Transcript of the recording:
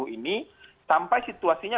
ini sampai situasinya